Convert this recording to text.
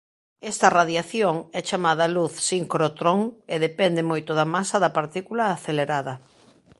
Esta radiación é chamada luz sincrotrón e depende moito da masa da partícula acelerada.